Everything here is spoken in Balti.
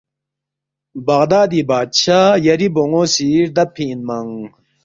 بغدادی بادشاہ یری بون٘و سی ردَبفی اِنمنگ